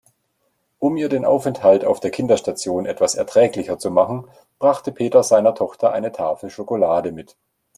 Um ihr den Aufenthalt auf der Kinderstation etwas erträglicher zu machen, brachte Peter seiner Tochter eine Tafel Schokolade mit.